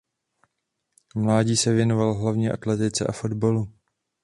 V mládí se věnoval hlavně atletice a fotbalu.